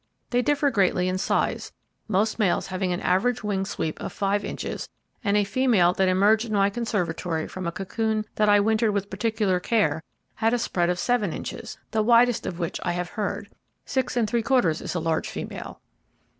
They differ greatly in size, most males having an average wing sweep of five inches, and a female that emerged in my conservatory from a cocoon that I wintered with particular care had a spread of seven inches, the widest of which I have heard; six and three quarters is a large female.